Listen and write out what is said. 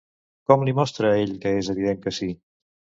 Com li mostra ell que és evident que sí?